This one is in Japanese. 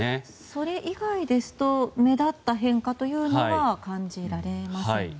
それ以外ですと目立った変化は感じられませんね。